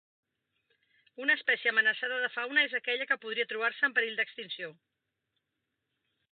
Una espècie amenaçada de fauna és aquella que podria trobar-se en perill extinció.